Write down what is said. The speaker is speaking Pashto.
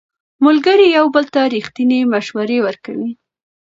ملګري یو بل ته ریښتینې مشورې ورکوي